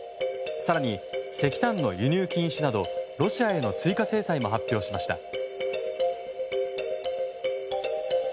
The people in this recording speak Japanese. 更に、石炭の輸入禁止などロシアへの追加制裁も発表しました。